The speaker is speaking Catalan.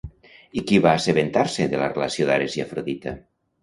I qui va assabentar-se de la relació d'Ares i Afrodita?